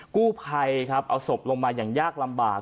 กู้ไพเอาศพลงมาอย่างยากลำบาก